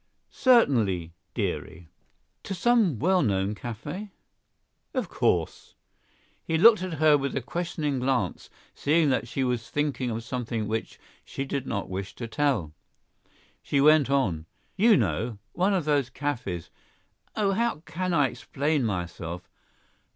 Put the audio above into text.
"Certainly, dearie." "To some well known cafe?" "Of course!" He looked at her with a questioning glance, seeing that she was thinking of something which she did not wish to tell. She went on: "You know, one of those cafes—oh, how can I explain myself?